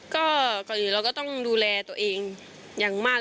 ก็ก่อนอื่นเราก็ต้องดูแลตัวเองอย่างมาก